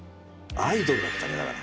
アイドルだったねだから。